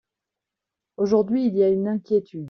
Aujourd’hui, il y a une inquiétude.